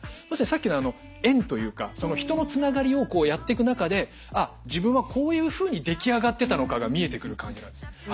さっきの縁というか人のつながりをこうやっていく中であっ自分はこういうふうに出来上がってたのかが見えてくる感じなんです。